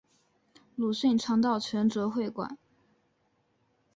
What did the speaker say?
鲁迅常到全浙会馆。